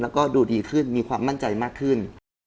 แล้วก็ดูดีขึ้นมีความมั่นใจมากขึ้น